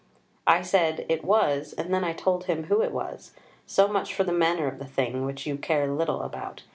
I said it was, and then I told him who it was. So much for the manner of the thing, which you care little about.